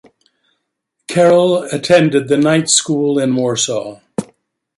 Karol attended the Knight School in Warsaw.